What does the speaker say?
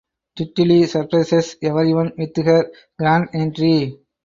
Titli surprises everyone with her grand entry.